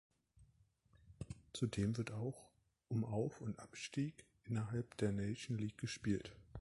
Zudem wird auch um Auf- und Abstieg innerhalb der Nations League gespielt.